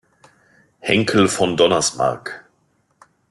Henckel von Donnersmarck.